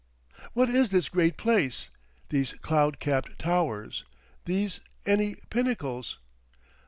"What is this great place, these cloud capped towers, these any pinnacles?...